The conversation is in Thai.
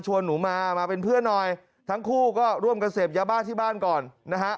หนูมามาเป็นเพื่อนหน่อยทั้งคู่ก็ร่วมกันเสพยาบ้าที่บ้านก่อนนะฮะ